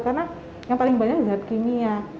karena yang paling banyak zat kimia